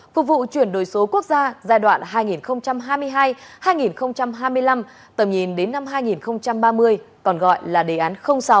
phục vụ chuyển đổi số quốc gia giai đoạn hai nghìn hai mươi hai hai nghìn hai mươi năm tầm nhìn đến năm hai nghìn ba mươi còn gọi là đề án sáu